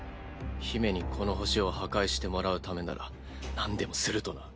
姫にこの地球を破壊してもらうためならなんでもするとな。